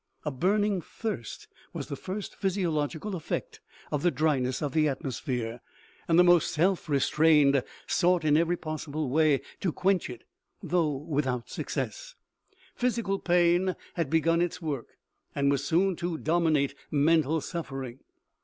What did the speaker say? A burning thirst was the first physio logical effect of the dryness of the atmosphere, and the most self restrained sought, in every possible way, to quench it, though without success. Physical pain had begun its work, and was soon to dominate mental suffer ing.